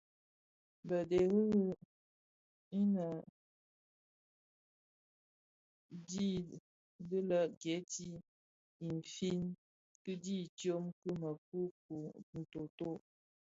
Bè dhëňrëňi dii di lè geeti in nfin kidhi tsom ki měkukuu, ntooto.